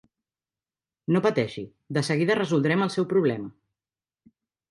No pateixi, de seguida resoldrem el seu problema.